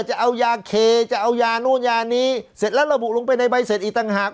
จะเอายาเคจะเอายานู้นยานี้เสร็จแล้วระบุลงไปในใบเสร็จอีกต่างหาก